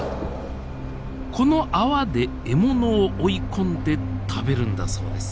この泡で獲物を追い込んで食べるんだそうです。